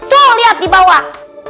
tuh liat di bawah